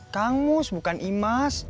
kang mus bukan imas